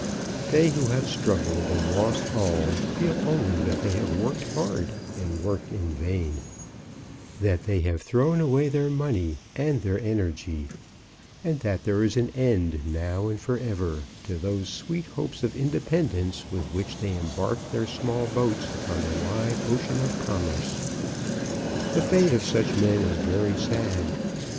They who have struggled and lost all feel only that they have worked hard, and worked in vain; that they have thrown away their money and their energy; and that there is an end, now and for ever, to those sweet hopes of independence with which they embarked their small boats upon the wide ocean of commerce. The fate of such men is very sad.